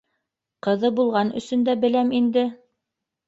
Ҡыҙы булған өсөн дә беләм инде.